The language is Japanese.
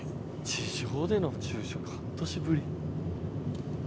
地上での昼食半年ぶり。